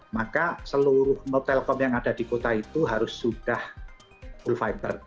maka seluruh note telkom yang ada di kota itu harus sudah full fiber